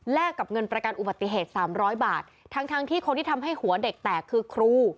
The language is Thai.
กับเงินประกันอุบัติเหตุสามร้อยบาททั้งทั้งที่คนที่ทำให้หัวเด็กแตกคือครู